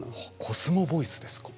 コスモボイスですか。